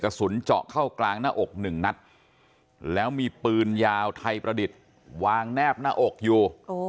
กระสุนเจาะเข้ากลางหน้าอกหนึ่งนัดแล้วมีปืนยาวไทยประดิษฐ์วางแนบหน้าอกอยู่